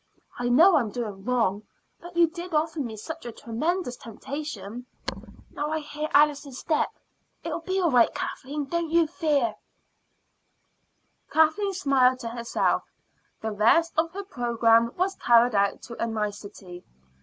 I know I'm doing wrong, but you did offer me such a tremendous temptation. Now I hear Alice's step. It will be all right, Kathleen; don't you fear." Kathleen smiled to herself. The rest of her programme was carried out to a nicety.